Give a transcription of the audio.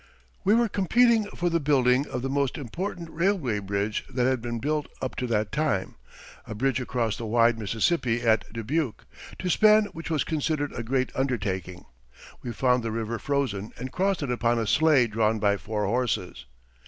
We were competing for the building of the most important railway bridge that had been built up to that time, a bridge across the wide Mississippi at Dubuque, to span which was considered a great undertaking. We found the river frozen and crossed it upon a sleigh drawn by four horses.